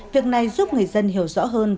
việc này giúp người dân hiểu rõ hơn